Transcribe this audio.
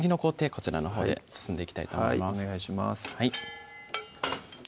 こちらのほうで進んでいきたいと思いますお願いします